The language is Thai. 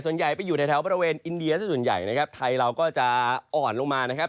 ส่วนใหญ่ไปอยู่ในแถวบริเวณอินเดียสักส่วนใหญ่นะครับไทยเราก็จะอ่อนลงมานะครับ